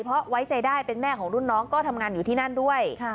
เพราะไว้ใจได้เป็นแม่ของรุ่นน้องก็ทำงานอยู่ที่นั่นด้วย